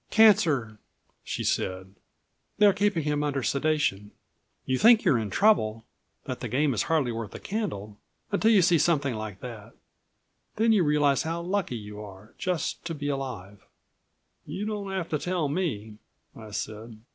"Cancer," she said. "They're keeping him under sedation. You think you're in trouble, that the game is hardly worth the candle, until you see something like that. Then you realize how lucky you are just to be alive." "You don't have to tell me," I said.